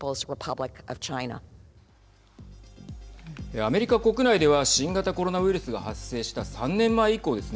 アメリカ国内では新型コロナウイルスが発生した３年前以降ですね